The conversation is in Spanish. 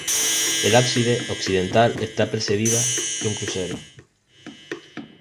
El ábside occidental está precedida de un crucero.